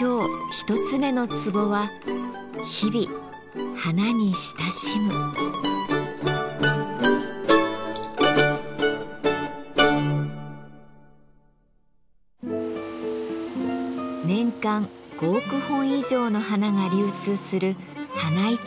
今日一つ目のツボは年間５億本以上の花が流通する花市場。